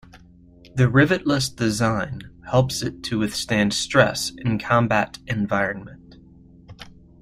The rivet-less design helps it to withstand stress in combat environment.